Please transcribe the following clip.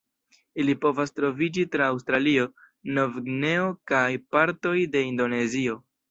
Ili povas troviĝi tra Aŭstralio, Novgvineo, kaj partoj de Indonezio.